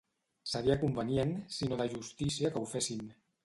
Seria convenient, sinó de justícia que ho fessin.